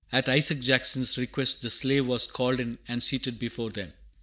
At Isaac Jackson's request the slave was called in and seated before them.